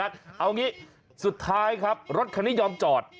เอางี้สุดท้ายครับรถคันนี้ยอมจอด